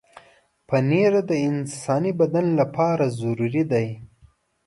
پنېر د انساني بدن لپاره ضروري دی.